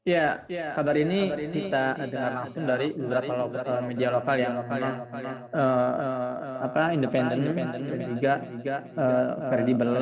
ya kabar ini kita dengar langsung dari beberapa media lokal yang independen dan juga tidak kredibel